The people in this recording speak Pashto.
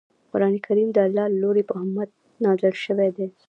قران کریم دالله ج له لوری په محمد ص نازل شوی دی.